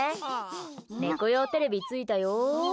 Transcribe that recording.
猫用テレビついたよ。